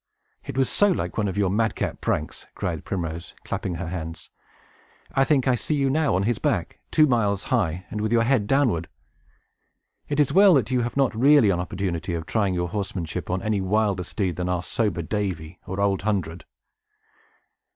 "It was so like one of your madcap pranks!" cried Primrose, clapping her hands. "I think I see you now on his back, two miles high, and with your head downward! It is well that you have not really an opportunity of trying your horsemanship on any wilder steed than our sober Davy, or Old Hundred."